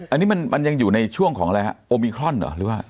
อันนี้มันยังอยู่ในช่วงของอะไรฮะโอมิครอนเหรอหรือว่า